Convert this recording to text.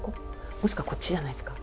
もしくはこっちじゃないですか。